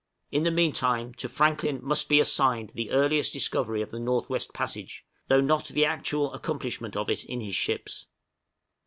In the mean time to Franklin must be assigned the earliest discovery of the North West Passage, though not the actual accomplishment of it in his ships.